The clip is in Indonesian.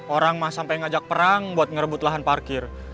orang mah sampai ngajak perang buat ngerebut rahan parkir